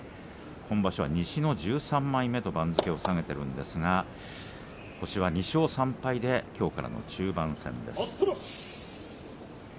今場所は西の１３枚目と番付を下げたんですが星は２勝３敗できょうからの中盤戦です。